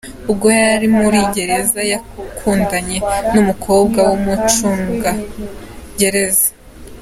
Ubwo yari muri gereza ,yakundanye n’umukobwa w’umucungagereza .